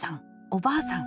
おばあさん